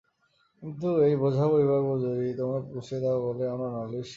কিন্তু এই বোঝা বইবার মজুরি তোমরা পুষিয়ে দাও বলেই আমরা নালিশ করি নে।